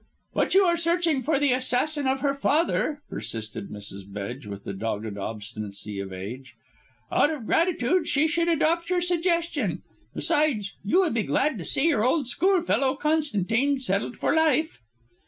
"But you are searching for the assassin of her father," persisted Mrs. Bedge with the dogged obstinacy of age; "out of gratitude she should adopt your suggestion. Besides, you would be glad to see your old schoolfellow Constantine settled for life."